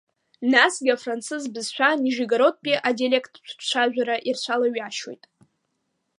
Насгьы афранцыз бызшәа Нижегородтәи адиалеқттә ҿцәажәара ирцәалаҩашьоит.